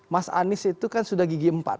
mas anies itu kan sudah gigi empat